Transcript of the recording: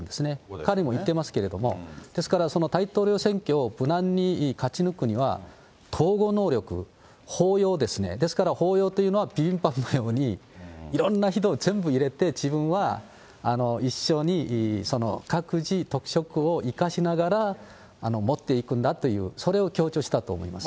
彼も言っていますけれども、ですから、その大統領選挙を無難に勝ち抜くには統合能力、包容、ですから包容というのは、のように、いろんな人を全部入れて、自分は一緒に各自特色を生かしながら、持っていくんだっていう、それを強調したと思います。